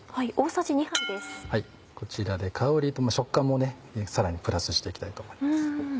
こちらで香りと食感もねさらにプラスして行きたいと思います。